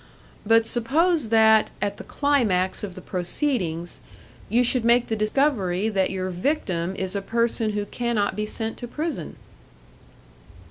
But suppose that, at the climax of the proceedings, you should make the discovery that your victim is a person who cannot be sent to prison?"